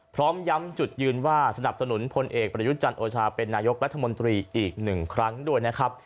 พร้อมย้ำจุดยืนว่าสนับสนุนพลเอกประยุทธ์จันทร์โอชาเป็นนายกรัฐมนตรีอีกหนึ่งครั้งด้วยนะครับ